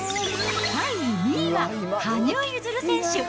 第２位は、羽生結弦選手。